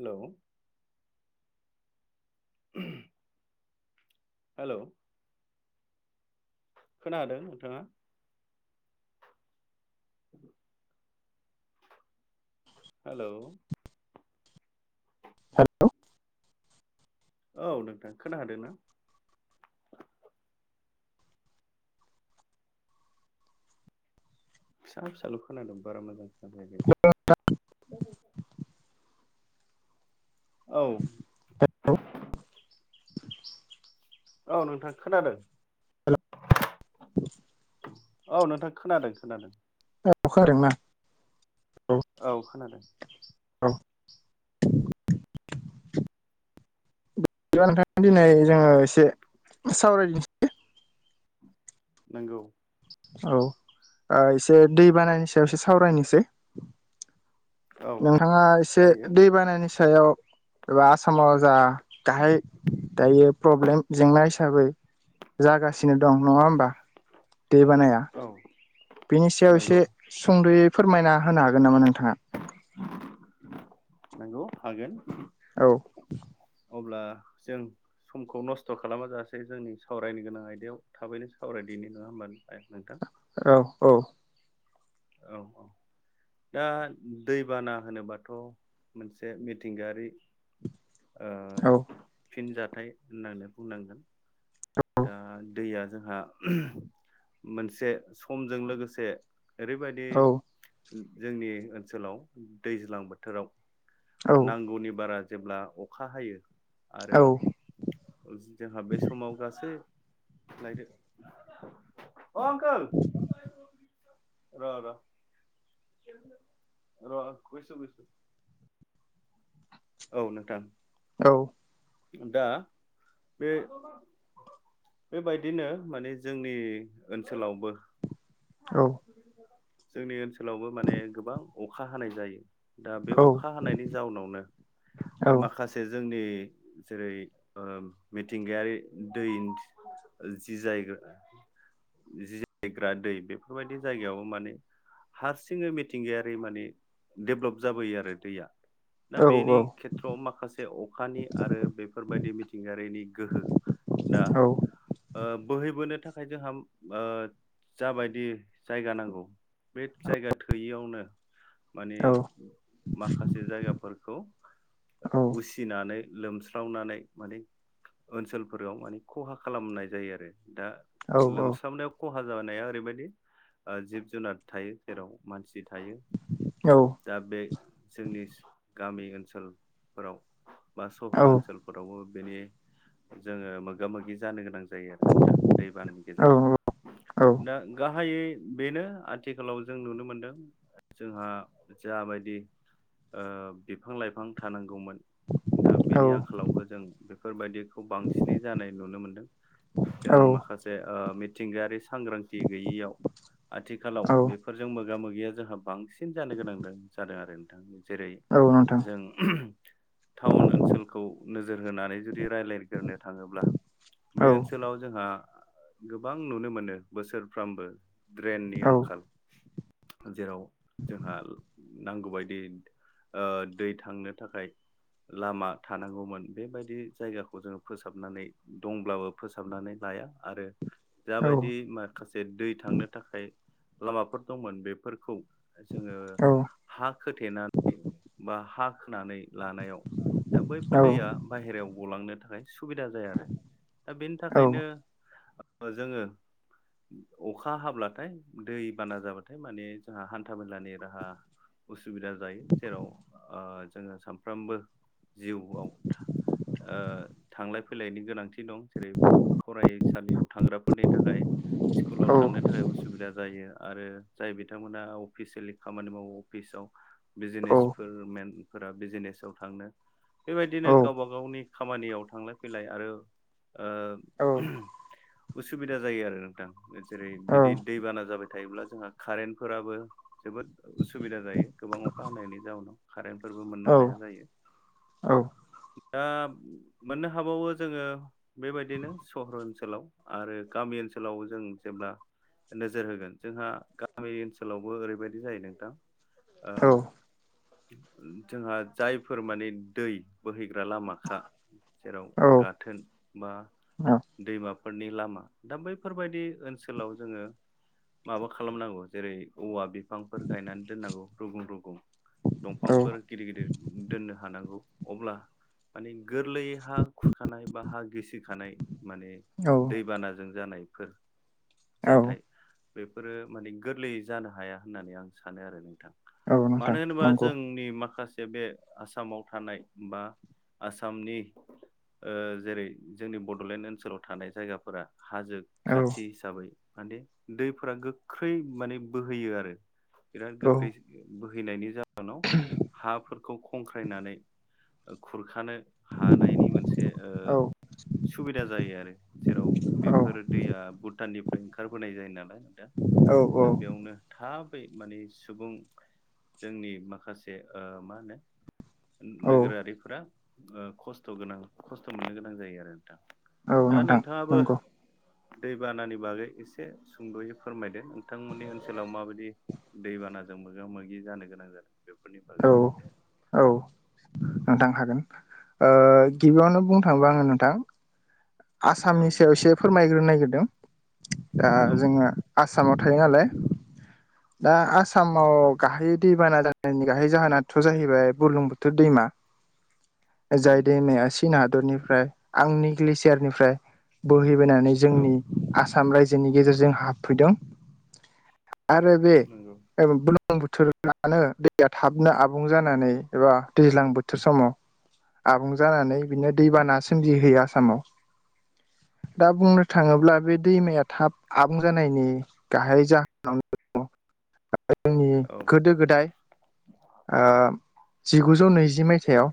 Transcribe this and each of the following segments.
हेल' [unintelligible] हेल' खोनादों नोंथाङा? [unintelligible] हेलौ [unintelligible] औ नोंथां खोना हादों ना? फिसा फिसाल' खोनादोंं बारा मोजां [unintelligible] औ। औ नोंथां खोनादों। औ नोंथां खोनादों खोनादों। [unintelligible] औ खोनादों। [unintelligible] दिनै जोङो एसे [unintelligible] नोंगौ। औ एसे दै बानायनि सायाव एसे सावरायनोसै। औ नोंथाङा एसे जायो दै बानानि सायाव एबा आसामाव जा गाहाय दायो प्रब्लेम जेंना हिसाबै जागासिनो दं नङा होमबा दै बानाया औ बेनि सायाव एसे नंगौ सुंद'यै फोरमायना होनो हागोन नामा नोंथाङा? नोंगौ हागोन। औ। अब्ला जों समखौ नस्थ' खालामााजासे जोंनि सावरायनो गोनां आयदायाव थाबैनो सावरायदिनाय नङा होमबा [unintelligible] नोंथां औ औ। औ औ। दा दैबाना होनोबाथ' मोनसे मिथिंगायारि औ फिनजाथाय होननानै बुंनांगोन दा दैया जोंहा मोनसे समजों लोगोसे ओरैबायदि औ जोंनि ओनसोलाव दैज्लां बोथोराव औ नांगौनि बारा जेब्ला अखा हायो आरो जोंहा बे समाव गासै नायदो [unintelligible] [inaudible] [inaudible] औ नोंथां। औ। दा बे बेबायदिनो माने जोंनि ओनसोलावबो औ। जोंनि ओनसोलावबो माने गोबां अखा हानाय जायो। दा बे अखा हानायनि जाउनावनो औ माखासे जोंनि जेरै ओ मिथिंगायारि दै जि जायगा जिरायग्रा दै बेफोरबायदि जायगायावबो माने हारसिङै मिथिंगायारि माने डेभ्लप जाबोयो आरो दैया। दा बेनि खेथ्र'आव माखासे अखानि आरो बेफोरबायदि मिथिंगायारिनि गोहो दा ओ बोहैबोनो थाखाय जोंहा ओ जाबायदि जायगा नांगौ बे जायगा थोयियावनो माने माखासे जायगाफोरखौ उसिनानै लोमस्रावनानै माने ओनसोलफोराव माने खहा खालामनाय जायो आरो दा औ औ लोमसाबनायाव खहा जानाया ओरैबायदि जिब जुनार थायो जेराव मानसि थायो औ दा बे जोंनि स गामि ओनसोलफोराव बा सहर ओनसोलफोरावबो बेनि जोङो मोगा मोगि जानो गोनां जायो जायो आरो नोंथां दैबानानि गेजेरजों दा गाहायै बेनो आथिखालाव जों नुनो मोनदों जोंहा जाबायदि ओ बिफां लाइफां थानांगौमोन दा बेनि आंखालावबो जों बे बेफोरबायाददिखौ बांसिनै जानाय नुनो मोनदों औ जों माखासे ओ मिथिंगायारि सांग्रांथि गैयैयाव आथिखालाव औ बे फोरजों मोगा मोगिया जोंहा बांसिन जानो गोनां जादों आरो नोंथां जेरै औ नोंथां जों टाउन ओनसोलखौ नोजोर होनानै जुदि रायज्लायग्रोनो थाङोब्ला औ बे ओनसोलाव जोंहा गोबां नुनो मोनो बोसोरफ्रामबो ड्रेननि औ आंखाल जेराव जोंहा नांगौबायायदि ओ दै थांनो थाखाय लामा थानांगौमोन बेबायदि जायगाखौ जोङो फोसाबनानै दंब्लाबो फोसाबनानै लाया आरो औ जाबायदि माखासे दै थांनो थाखाय लामाफोर दंमोन बेफोरखौ- जोङो औ हा खोथेनानै बा हा खोनानै लानो दा बैफोर दैया बाहेरायाव गलांनो थाखाय सुबिदा जाया आरो दा बेनि थाखायनो जोङो अखा हाब्लाथाय दै बाना जाबाथाय माने जोंहा हान्था मेलानि राहा उसुबिदा जायो जेराव ओ जोङो सामफ्रोमबो जिउआव ओ थांलाय फैलायनि गोनांथि दं जेरै फरायसालियाव थांग्राफोरनि थाखाय स्कुलाव थांनो थाखाय उसुबिदा जायो आरो जाय बिथांमोना अफिसियेलि खामानि मावो अफिसाव बिजनेसफोर मेन बिजनेसाव थांनो बेबायदिनो गावबा गावनि खामानियाव थांलाय फैलाय आरो औ ओ उसुबिदा जायो आरो नोंथां जेरै औ बिदि दैबाना जाबाय थायोब्ला जोंहा कारेन्टफोराबो जोबोद उसुबिदा जायो गोबां अखा हानायनि जाउनाव कारेन्टफोरबो मोननो हाया जायो दा मोननो हाबावो जोङो बेबायदिनो सहर ओनसोल ओनसाव आरो गामि ओनसोलाव जों जेब्ला नोजोर होगोन जोंहा गामि ओनसोलावबो ओरैबायदि जायो नोंथां ओम जोंहा जायफोर माने दै बोहैग्रा लामाखा जेराव गाथोन बा दैमाफोरनि लामा दा बैफोरबायदि ओनसोलाव जोंङो माबा खालामनांगौ जेरै औवा- बिफांफोर गायनानै दोननांगौ रुगुं रुगुं दंफांफोर गिदिर गिदिर दोननो हानांगौ। अब्ला माने गोरलैयै हा खुरखानाय बा हा गिसिखानाय माने- दैबानाजों जानायफोर- जाथाय बेफोरो माने गोरलैयै जानो हाया होननानै आं सानो आरो नोंथां। औ नोंथां मानो होनोबा नंगौ औ जोंनि माखासे बे आसामाव थानाय- बा आसामनि- ओ जेरै जोंनि बड'लेण्ड ओनसोलाव थानाय जायगाफोरा हाजो- खाथि हिसाबै मादि दैफोरा गोख्रै माने बोहैयो आरो। बिराद औ गोख्रै बोहैनायनि जहोनाव हाफोरखौ खंख्रायनानै- खुरखानो हानायनि मोनसे ओ औ सुबिदा जायो आरो जेराव बेफोर दैया भुटाननिफ्राय ओंखारबोनाय जायो नालाय दा दा बेयावनो थाबै माने सुबुं जोंनि माखासे ओ मा होनो औ नोगोरारिफोरा ओ खस्थ' गोनां खस्थ' मोननो गोनां जायो आरो नोंथां। औ दा नोंथां नोंथाङाबो नंगौ दैबानानि बागै एसे सुंद'यै फोरमायदों। नोंथांमोननि ओनसोलाव माबायदि दैबानाजों मोगा मोगि जानो गोनां जादों बेफोरनि बा औ औ नोंथां हागोन ओ गिबियावनो बुंनो थाङोबा आङो नोंथां औ आसामनि सायाव एसे फोरमायग्रोनो नागिरदों दा औ बुं जोङो आसामाव थायो नालाय दा आसामाव गाहाय दैबाना दानायनि गाहै जाहोनाथ' जाहैबाय बुरलुंबुथुर दैमा। [inaudible] जाय दैमाया चीन हादरनिफ्राय आंनि ग्लेसियारनिफ्राय बोहैबोनानै औ जोंनि आसाम रायजोनि गेजेरजों हाबफैदों। आरो बे नंगौ बुलुंबुथुरयानो दैया थाबनो आबुं जानानै एबा दैज्लां बोथोर समाव आबुं जानानै बिदिनो दैबाना सोमजिहोयो आसामाव। दा बुंनो थाङोब्ला बे दैमाया थाब आबुं जानायनि गाहाय जाहोनाव दङ जोंनि औ गोदो गोदाय ओ जिगुजौ नैजि मायथाइयाव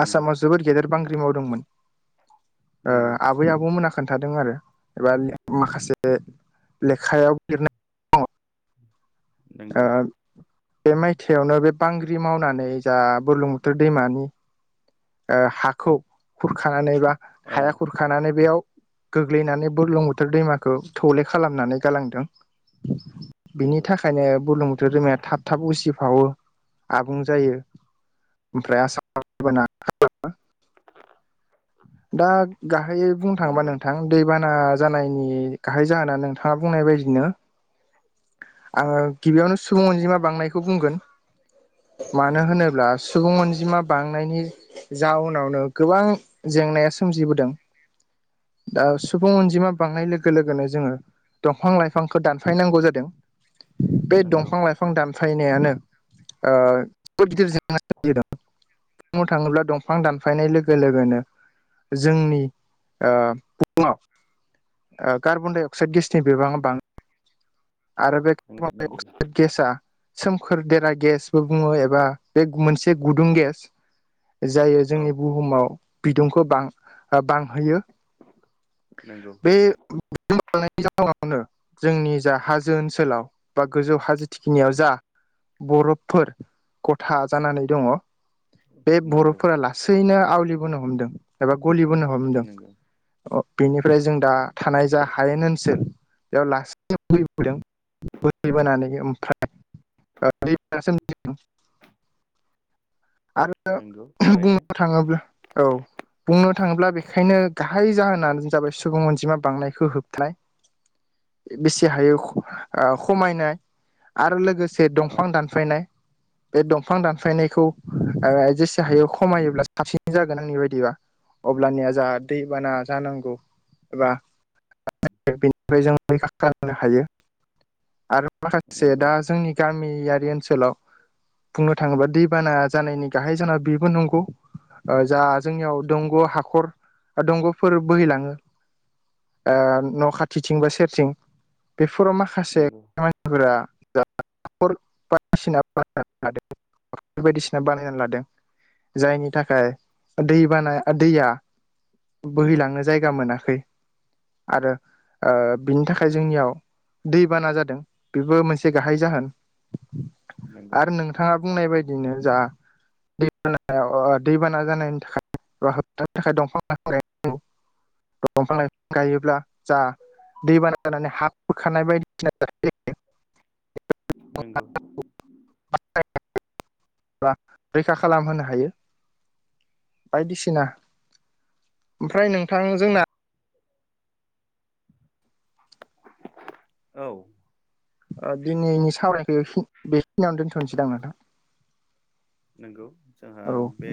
नंगौ आसामाव जोबोद गेदेर बांग्रि मावदोंमोन। ओ नंगौ आबै आबौमोना खोन्थादों आरो एबा माखासे लेखायाव लिरनाय नंगौ बे मायथाइयावनो बे बांग्रि मावनानै जा बुरलुंबुथुर दैमानि ओ हाखौ खुरखानानै बा औ हाया खुर खानानै बेयाव गोग्लैनानै बुरलुंबुथुर दैमाखौ थौले खालामनानै गालांदों। बिनि नंगौ थाखा बेखायनो बुरलुंबुथुर दैमाया थाब थाब उसिफावो आबुं जायो। ओमफ्राय आसामनि दैबाना हेल' दा गाहायै बुंनो थाङोबा नंगौ नोंथां आं दैबाना जानायनि गाहाय जाहोना नोंथाङा बुंनाय बायदिनो आङो गिबियावनो सुबुं अनजिमा बांनायखौ बुंगोन मानो नंगौ होनोब्ला सुबुं अनजिमा बांनायनि जाउनावनो गोबां जेंनाया सोमजिबोदों। दा सुबुं अनजिमा बांनाय लोगो लोगोनो जोङो दंफां लाइफांखौ दानफायनांगौ जादों। बे नंगौ दंफां लाइफां बिफां दानफायनायानो ओ जोबोर गिदिर जेंना सोमजिहोदों। बुंनो थाङोब्ला दंफां दानफायनाय लोगो लोगोनो जोंनि ओ [inaudible] कार्बनडाइ अक्साइड गेसनि बिबाङा बां आरो बे नंगौ [unintelligible] गेसआ सोमखोर देरा गेसबो बुङो एबा बे मोनसे गुदुं गेस जायो औ जोंनि बुहुमाव बिदुंखौ बां-बांहोयो नंगौ बे [unintelligible] जोंनि जा हाजो जों ओनसोलाव बा गोजौ हाजो थिखिनियाव जा बरफफोर गथा जानानै दङ बे नंगौ बरपफोरा लासैनो आवलिबोनो हमदों एबा गलिबोनो हमदों। नंगौ बेनिफ्राय जों दा थानाय जा हायेन ओनसोल बेयाव लासै [unintelligible] आरो नंगौ थारैनो बुंनो थाङोब्ला औ बुंनो थाङोब्ला बेखायनो गाहाय जाहोनानो जाबाय सुबुं अनजिमा बांनायखौ होबथानाय। बेसे हायो खमायनाय आरो लोगो से औ दंफां दानफायनाय बे दंफां दानफायनायखौ जेसे हायो खमायोब्ला साबसिन जागोन आंनि बायदिबा अब्लानिया जोंहा दैबाना जानांगौ एबा बेनिफ्राय जों रैखा खालामनो हायो आरो माखासे नंगौ दा जोंनि गामियारि ओनसोलाव बुंनो थाङोबा दैबाना जानायनि गाहाय जाना बेबो नंगौ जा जोंनियाव दंग' हाखर दंग'फोर बोहैलाङो न' खाथिथिं बा सेरथिं बेफोराव माखासे नंगौ बायदिसिना बायदिसिना बानायना लादों जायनि थाखाय दै बानाया दैया बोहैलांनो जायगा मोनाखै आरो बिनि थाखाय जोंनियाव दैबाना जादों बेबो मोनसे गाहाय जाहोन नंगौ आरो नोंथाङा बुंनाय बायदिनो जा दैबाना जानायनि थाखाय होबथानो थाखाय दंफां ला दंफां लाइफां गायोब्ला जा दैबाना जानानै हा बोखानाय बायदिसिना जायो नोंगौ एबा रैखा खालामहोनो हायो बायदिसिना ओमफ्राय नोंथां जोंना औ दिनैनि सावरायखो बेखिनियावनो दोनथ'नोसैदांं नोंथां। नंगौ जोंहा औ बे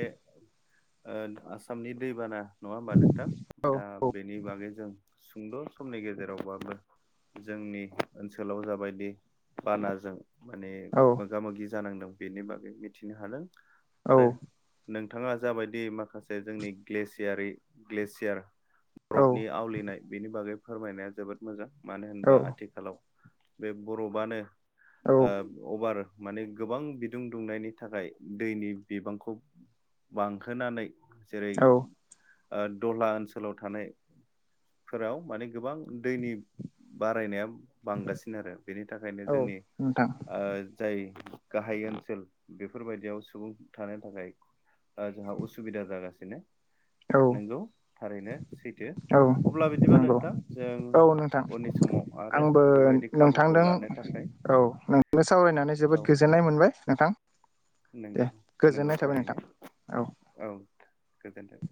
ओ आसामनि दैबाना नङा होम्बा नोंथां दा औ बेनि बागै जों सुंद' समनि गेजेरावबाबो जोंनि ओनसोलाव जाबायदि बानाजों माने औ मोगा मोगि जानांदों बेनि बागै मिथिनो हादों आरो नोंथाङा जाबायदि माखासे जोंनि ग्लेसियारि ग्लेसियार औ बरबनि आवलिनाय बेनि बागै फोरमायनाया जोबोद मोजां मानो औ होनबा आथिखालाव बे बरफानो औ अभार माने गोबां बिदुं दुंनायनि थाखाय दैनि बिबांखौ बांहोनानै जेरै औ दहला ओनसोलाव थानाय फोराव माने गोबां दैनि बारायनाया बांगासिनो आरो बेनि थाखायनो औ जोंनि नोंथां जाय गाहाय ओनसोल बेफोरबायदियाव सुबुं थानो थाखाय जोंहा उसुबिदा जागासिनो औ नोंगौ थारैनो सैथो औ अब्ला बिदिबा नंगौ नोंथां जों औ नोंथां उननि समाव आरो आंबो बेबायदि खाबुखौ नोंथांदों लानो थाखाय औ नोंनो सावरायनानै औ जोबोद गोजोननाय मोनबाय नोंथां दे नंगौ गोजोननाय नंगौ थाबाय नोंथां थारैनो औ गोजोन्थों